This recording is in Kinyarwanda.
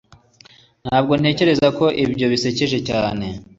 Ntabwo ntekereza ko ibyo bisekeje cyane